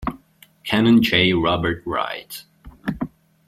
Canon J. Robert Wright.